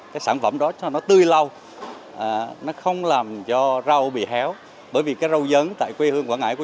các loại rau đặc biệt là rau dấn nó làm cho rau dấn không bị héo không bị hư